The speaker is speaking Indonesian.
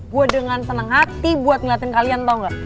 gua dengan senang hati buat ngeliatin kalian tau gak